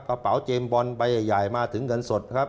กระเป๋าเจมสบอลใบใหญ่มาถึงเงินสดครับ